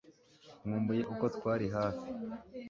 nkumbuye uko twari hafi